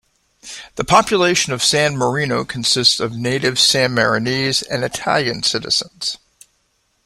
The population of San Marino consists of native Sanmarinese and Italian citizens.